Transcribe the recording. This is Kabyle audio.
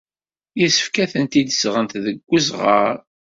Yessefk ad tent-id-sɣent deg uzɣar.